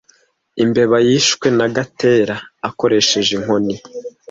Imbeba yishwe na Gatera akoresheje inkoni.